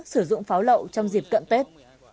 sử dụng pháo lậu trong dịp cận tết